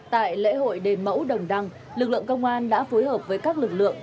tại lễ hội đền mẫu đồng đăng lực lượng công an đã phối hợp với các lực lượng